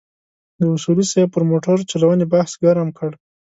د اصولي صیب پر موټرچلونې بحث ګرم کړ.